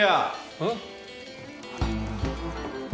うん？